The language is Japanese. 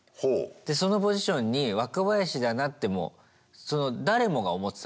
でそのポジションに若林だなってもう誰もが思ってたの。